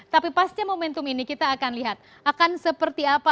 tapi pasnya momentum ini kita akan lihat akan seperti apa